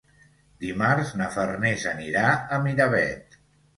Dimarts na Farners anirà a Miravet.